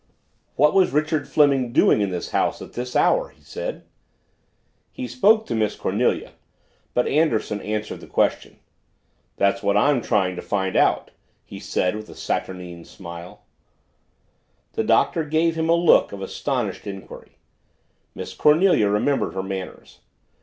"What was Richard Fleming doing in this house at this hour?" he said. He spoke to Miss Cornelia but Anderson answered the question. "That's what I'm trying to find out," he said with a saturnine smile. The Doctor gave him a look of astonished inquiry. Miss Cornelia remembered her manners.